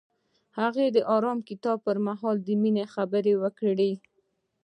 هغه د آرام کتاب پر مهال د مینې خبرې وکړې.